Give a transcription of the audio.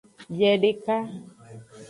Biedeka.